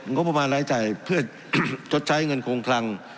งบประมาณรายจ่ายเพื่อชดใช้เงินคงคลัง